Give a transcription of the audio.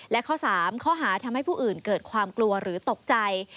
และข้อ๓ข้อหาทำให้ผู้อื่นเกิดความกลัวหรือตกใจ